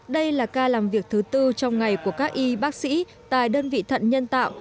đây là ca làm việc thứ tư trong ngày của các y bác sĩ tại đơn vị thận nhân tạo